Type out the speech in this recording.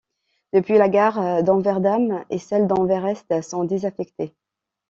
Depuis, la gare d'Anvers-Dam, et celle d'Anvers-Est sont désaffectées.